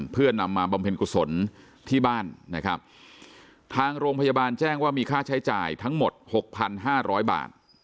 เพื่อนนำมาบำเพ็ญกุศลที่บ้านทางโรงพยาบาลแจ้งว่ามีค่าใช้จ่ายทั้งหมด๖๕๐๐บาท